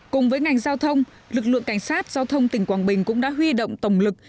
cùng với ngành giao thông lực lượng cảnh sát giao thông tỉnh quảng bình cũng đã huy động tổng lực